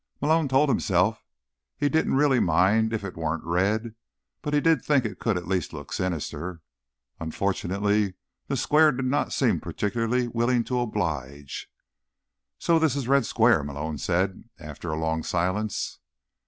Malone told himself he didn't really mind if it weren't red, but he did think it could at least look sinister. Unfortunately, the Square did not seem particularly willing to oblige. "So this is Red Square," Malone said, after a long silence.